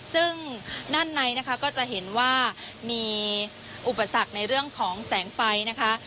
ซึ่งด้านในนะคะก็จะเห็นว่ามีอุปสรรคในเรื่องของแสงไฟนะคะ